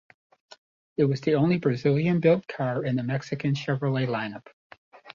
It was the only Brazilian-built car in the Mexican Chevrolet lineup.